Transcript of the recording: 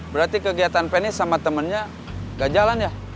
berarti kegiatan feni sama temennya gak jalan ya